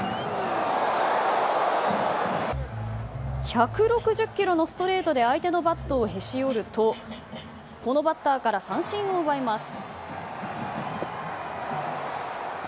１６０キロのストレートで相手のバットをへし折るとこのバッターから三振を奪います。